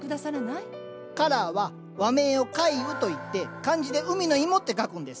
カラーは和名を「海芋」といって漢字で「海の芋」って書くんです。